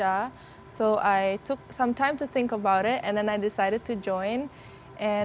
jadi saya mengambil waktu untuk berpikir tentang hal itu dan saya memutuskan untuk bergabung